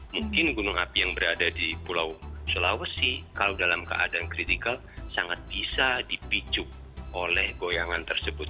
mungkin gunung api yang berada di pulau sulawesi kalau dalam keadaan kritikal sangat bisa dipicu oleh goyangan tersebut